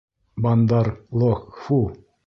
Бандар-лог — фу-у!